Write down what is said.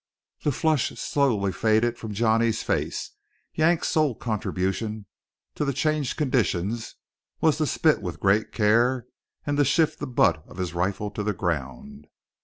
The flush slowly faded from Johnny's face. Yank's sole contribution to the changed conditions was to spit with great care, and to shift the butt of his rifle to the ground.